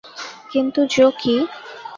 কিন্তু জো কী!